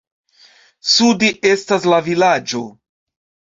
Sude estas la vilaĝo.